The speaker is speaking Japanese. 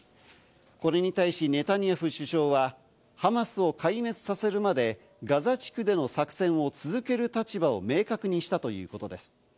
これに対し、ネタニヤフ首相はハマスを壊滅させるまでガザ地区での作戦を続ける立場を明確にしたということです。